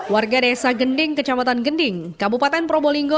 warga desa gending kecamatan gending kabupaten probolinggo